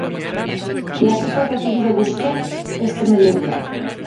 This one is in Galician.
E así foi recibido Busquets este mediodía.